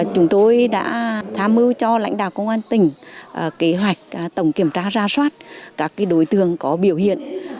chúng tôi đã tham mưu cho lãnh đạo công an tỉnh kế hoạch tổng kiểm tra ra soát các đối tượng có biểu hiện